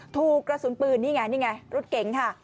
ถูกกระสุนปืนนี่ไงนี่ไงรถเก๋งค่ะ